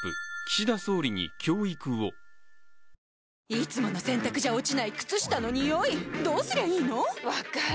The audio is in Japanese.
いつもの洗たくじゃ落ちない靴下のニオイどうすりゃいいの⁉分かる。